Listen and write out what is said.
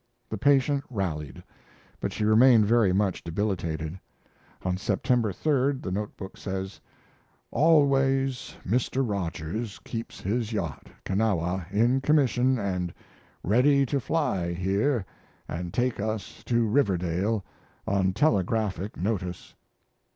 The patient rallied, but she remained very much debilitated. On September 3d the note book says: Always Mr. Rogers keeps his yacht Kanawha in commission & ready to fly here and take us to Riverdale on telegraphic notice.